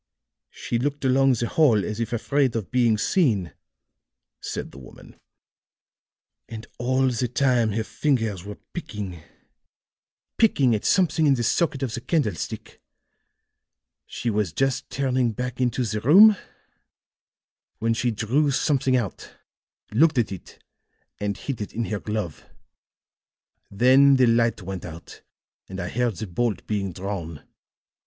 "She looked along the hall as if afraid of being seen," said the woman; "and all the time her fingers were picking picking at something in the socket of the candlestick. She was just turning back into the room when she drew something out, looked at it and hid it in her glove. Then the light went out and I heard the bolt being drawn.